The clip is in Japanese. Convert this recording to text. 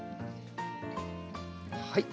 はい。